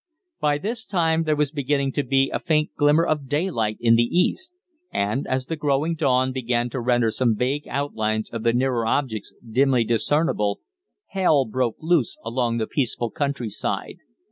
By this time there was beginning to be a faint glimmer of daylight in the east, and, as the growing dawn began to render vague outlines of the nearer objects dimly discernible, hell broke loose along the peaceful countryside.